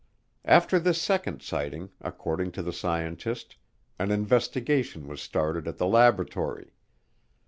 After this second sighting, according to the scientist, an investigation was started at the laboratory.